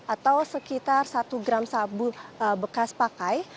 atau sekitar satu gram sabu bekas pakai